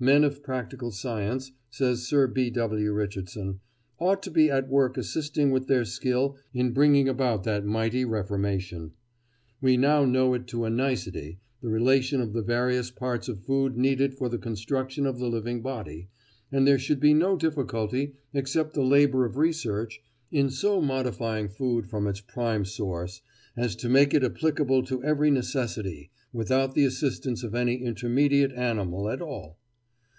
"Men of practical science," says Sir B. W. Richardson, "ought to be at work assisting with their skill in bringing about that mighty reformation. We now know to a nicety the relation of the various parts of food needed for the construction of the living body, and there should be no difficulty, except the labour of research, in so modifying food from its prime source as to make it applicable to every necessity without the assistance of any intermediate animal at all."